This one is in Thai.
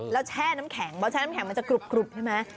แล้วแช่น้ำแข็งเพราะแช่น้ำแข็งมันจะกรุบใช่ไหม